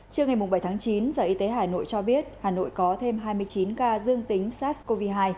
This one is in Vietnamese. trưa ngày bảy tháng chín sở y tế hà nội cho biết hà nội có thêm hai mươi chín ca dương tính sars cov hai